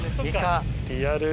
リアル。